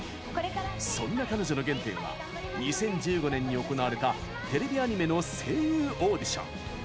そんな彼女の原点は２０１５年に行われたテレビアニメの声優オーディション。